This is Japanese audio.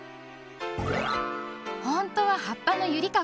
ほんとははっぱのゆりかご。